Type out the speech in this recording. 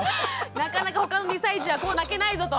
なかなか他の２歳児はこう泣けないぞと。